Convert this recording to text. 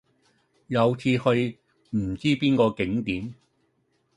有次去唔知邊個景點